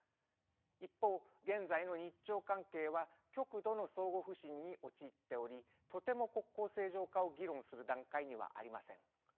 一方現在の日朝関係は極度の相互不信に陥っておりとても国交正常化を議論する段階にはありません。